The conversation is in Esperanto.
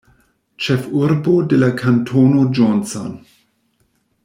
Ĉefurbo de la kantono Johnson.